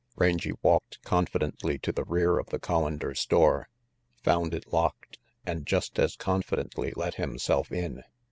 Rangy walked confidently to the rear of the Collander store, found it locked, and just as confidently let himself in.